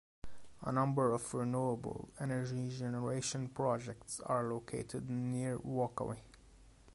A number of renewable energy generation projects are located near Walkaway.